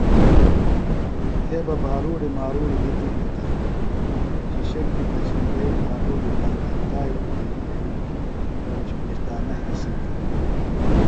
تھے بہ بھاروڑیۡ ماروڑیۡ دِتیۡ ہنیۡ تہ شِشکیۡ پچھمبئی بھاروڑیۡ باندیۡ تائیۡ اُڈھیوِیۡ یھئیۡ بھیوڑش پیشتانہ ہینسلیۡ ہنیۡ